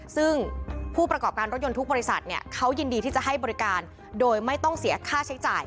ซึ่งผู้ประกอบการรถยนต์ทุกบริษัทเขายินดีที่จะให้บริการโดยไม่ต้องเสียค่าใช้จ่าย